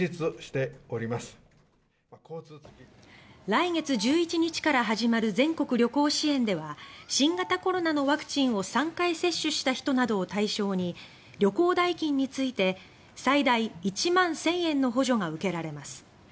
来月１１日から始まる全国旅行支援では新型コロナのワクチンを３回接種した人などを対象に旅行代金について最大１万１０００円の補助が受けられます。